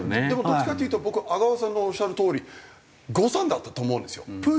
でもどっちかっていうと僕阿川さんのおっしゃるとおり誤算だったと思うんですよ。